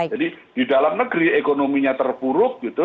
jadi di dalam negeri ekonominya terpuruk gitu